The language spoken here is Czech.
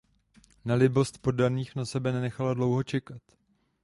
Nelibost poddaných na sebe nenechala dlouho čekat.